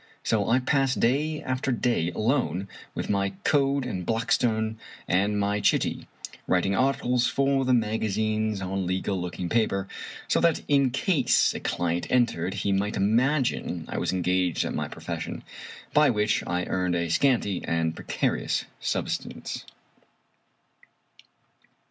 So I passed day after day alone with my Code and Blackstone, and my Chitty, writing articles for the magazines on legal looking paper — so that in case a client entered he might imagine I was engaged at my profession — by which I earned a scanty and precarious subsistence.